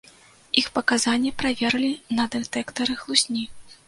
Іх паказанні праверылі на дэтэктары хлусні.